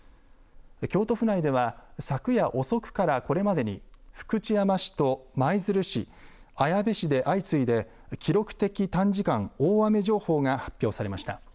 京都府内では昨夜遅くからこれまでに福知山市と舞鶴市、綾部市で相次いで記録的短時間大雨情報が発表されました。